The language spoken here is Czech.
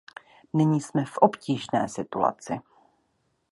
Nyní jsme v obtížné situaci.